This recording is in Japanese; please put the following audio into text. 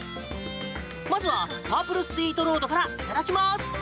まずはパープルスイートロードからいただきます。